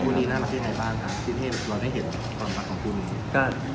คุณคนนี้น่าเิลี่ยงไงบ้างคะ